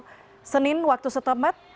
di senin waktu setempat